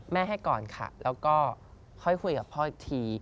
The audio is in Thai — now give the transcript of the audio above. ให้ก่อนค่ะแล้วก็ค่อยคุยกับพ่ออีกที